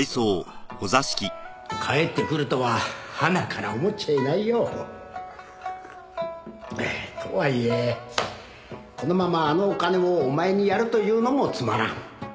返ってくるとははなから思っちゃいないよ。とはいえこのままあのお金をお前にやるというのもつまらん。